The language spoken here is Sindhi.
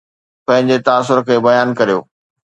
پنهنجي تاثر کي بيان ڪريو